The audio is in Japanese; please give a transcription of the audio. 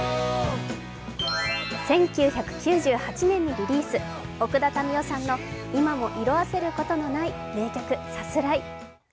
１９９８年にリリース奥田民生さんの今も色あせることのない名曲「さすらい」。